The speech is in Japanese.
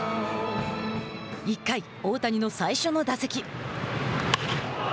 １回、大谷の最初の打席。